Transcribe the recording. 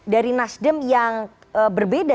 dari nasdem yang berbeda